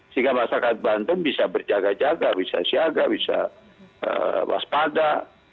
sehingga masyarakat banten bisa berjaga jaga bisa siaga bisa waspada